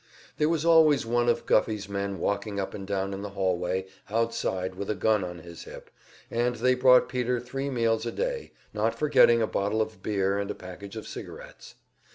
There was always one of Guffey's men walking up and down in the hallway outside with a gun on his hip, and they brought Peter three meals a day, not forgetting a bottle of beer and a package of cigarettes.